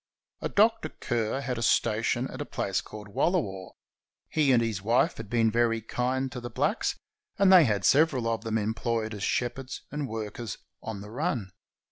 A Dr. Ker had a station at a place called Wallawaugh. He and his wife had been very kind to the blacks, and they had several of them employed as shepherds and workers on the run.